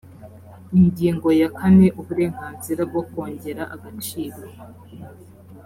ingingo ya kane uburenganzira bwo kongera agaciro